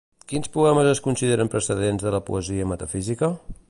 Quins poemes es consideren precedents de la poesia metafísica?